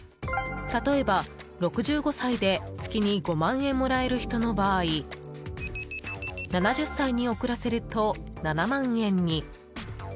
例えば、６５歳で月に５万円もらえる人の場合７０歳に遅らせると７万円に。